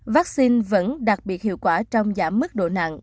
vắc xin vẫn đặc biệt hiệu quả trong giảm mức độ nặng